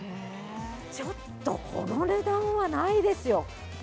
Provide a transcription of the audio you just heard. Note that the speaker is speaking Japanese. ちょっとこの値段はないですよ。